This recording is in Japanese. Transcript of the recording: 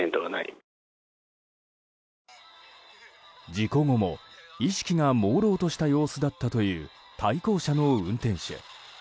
事故後も意識がもうろうとした様子だったという対向車の運転手。